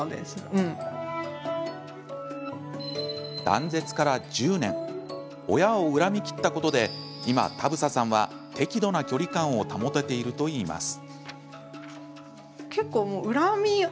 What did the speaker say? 断絶から１０年親を恨み切ったことで今、田房さんは適度な距離感を保てているといいます。